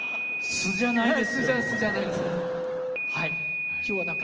素じゃないです。